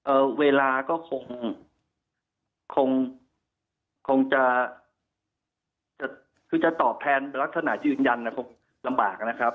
เวลาก็คงคงจะจะคือจะตอบแทนลักษณะยืนยันคงลำบากนะครับ